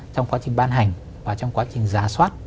trong quá trình ban hành và trong quá trình giả soát